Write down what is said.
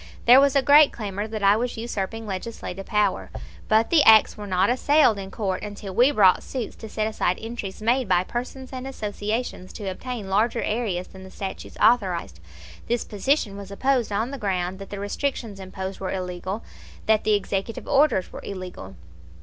There was a great clamor that I was usurping legislative power; but the acts were not assailed in court until we brought suits to set aside entries made by persons and associations to obtain larger areas than the statutes authorized. This position was opposed on the ground that the restrictions imposed were illegal; that the executive orders were illegal.